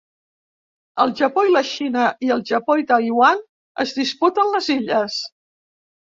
El Japó i la Xina i el Japó i Taiwan es disputen les illes.